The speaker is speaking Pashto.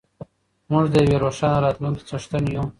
موږ د یوې روښانه راتلونکې څښتن یو.